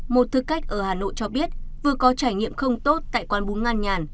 một thức cách ở hà nội cho biết vừa có trải nghiệm không tốt tại quán bún ngăn nhàn